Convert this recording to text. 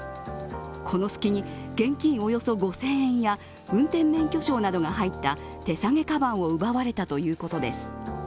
この隙に現金およそ５０００円や運転免許証などが入った手提げカバンを奪われたということです。